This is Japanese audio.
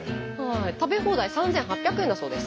食べ放題３，８００円だそうです。